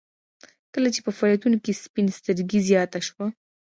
کله چې په فعالیتونو کې سپین سترګي زیاته شوه